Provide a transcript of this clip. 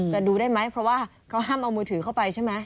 ดูได้ไหมเพราะว่าเขาห้ามเอามือถือเข้าไปใช่ไหม